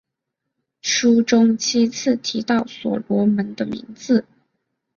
书中七次提到所罗门的名字。